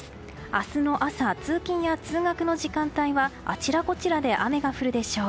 明日の朝、通勤や通学の時間帯はあちらこちらで雨が降るでしょう。